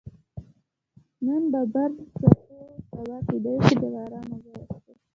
نن باربرا څښو، سبا کېدای شي د باران اوبه وڅښو.